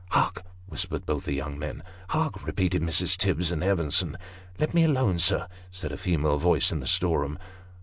" Hark !" whispered both the young men. " Hark !" repeated Mrs. Tibbs and Evenson. " Let me alone, sir," said a female voice in the storeroom.